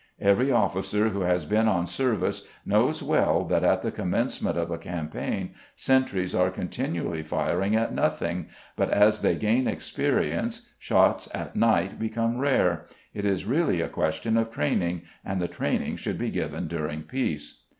Every officer who has been on service knows well that at the commencement of a campaign sentries are continually firing at nothing, but as they gain experience shots at night become rare; it is really a question of training, and the training should be given during peace.